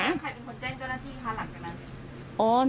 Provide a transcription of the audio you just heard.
แต่หลังใครเป็นคนแจ้งจรภีร์ที่ทะหลังหรือนั่น